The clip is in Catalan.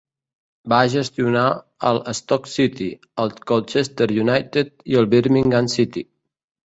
Va gestionar el Stoke City, el Colchester United i el Birmingham City.